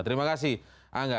terima kasih angga